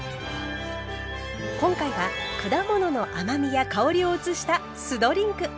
今回は果物の甘みや香りを移した酢ドリンク。